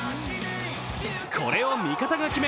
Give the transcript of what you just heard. これを味方が決め